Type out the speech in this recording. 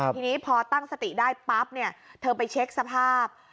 ทีนี้พอตั้งสติได้ปั๊บเนี่ยเธอไปเช็คสภาพ